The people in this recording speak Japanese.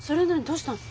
どうしたの？